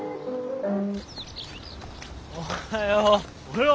おはよう。